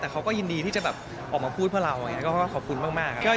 แต่เขาก็ยินดีที่จะแบบออกมาพูดเพื่อเราขอบคุณมากครับ